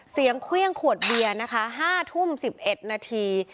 เครื่องขวดเบียร์นะคะ๕ทุ่ม๑๑นาที